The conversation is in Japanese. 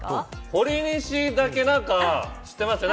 ほりにしだけなんか知ってますよ。